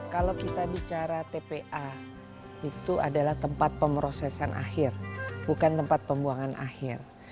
kalau kita bicara tpa itu adalah tempat pemrosesan akhir bukan tempat pembuangan akhir